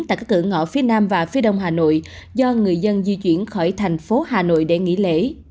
tại các cửa ngõ phía nam và phía đông hà nội do người dân di chuyển khỏi thành phố hà nội để nghỉ lễ